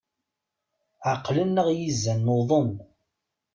Ɛeqlen-aɣ yizan, nuḍen.